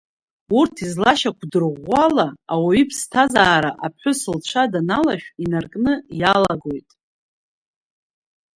Урҭ излашьақәдырӷәӷәо ала, ауаҩы иԥсҭазаара аԥҳәыс лцәа даналашә инаркны иалагоит.